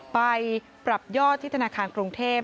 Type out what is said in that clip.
ไปปรับยอดที่ธนาคารกรุงเทพ